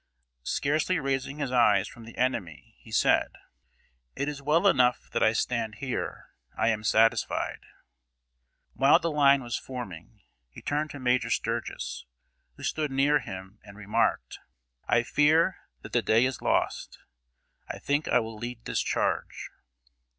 Scarcely raising his eyes from the enemy, he said: "It is well enough that I stand here. I am satisfied." While the line was forming, he turned to Major Sturgis, who stood near him, and remarked: "I fear that the day is lost. I think I will lead this charge."